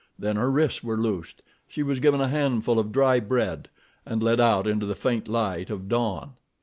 Then her wrists were loosed, she was given a handful of dry bread, and led out into the faint light of dawn.